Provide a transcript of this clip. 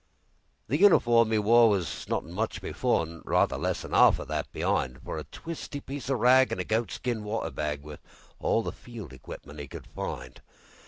The uniform 'e woreWas nothin' much before, An' rather less than 'arf o' that be'ind, For a twisty piece o' ragAn' a goatskin water bagWas all the field equipment 'e could find.